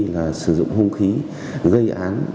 là sử dụng hông khí gây án